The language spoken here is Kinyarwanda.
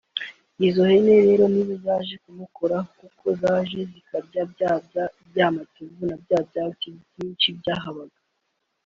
Izo hene rero ni zo zaje kumukoraho kuko zaje zikarya ya matovu na bya byatsi byinshi byahabaga